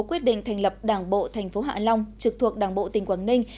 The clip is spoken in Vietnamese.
quyết định thành lập đảng bộ thành phố hạ long trực thuộc đảng bộ tỉnh quảng ninh